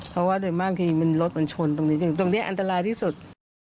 เพราะว่าโดยมากมันมีรถชนที่ยังตรงนี้อันตราอาที่สุด